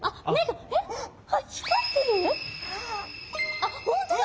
あっ本当だ！